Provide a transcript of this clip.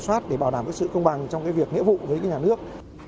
một là liên quan đến kiểm soát để bảo đảm sự công bằng trong việc nghĩa vụ với nhà nước